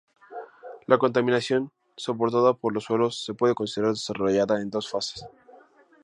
La contaminación soportada por los suelos se puede considerar desarrollada en dos fases.